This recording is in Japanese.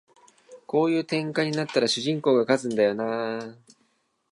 こういう展開になったら主人公が勝つんだよなあ